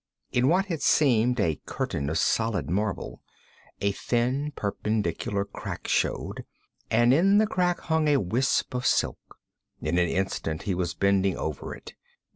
In what had seemed a curtain of solid marble, a thin perpendicular crack showed, and in the crack hung a wisp of silk. In an instant he was bending over it.